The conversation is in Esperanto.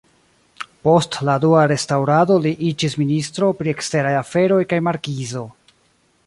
Post la Dua restaŭrado li iĝis ministro pri eksteraj aferoj kaj markizo.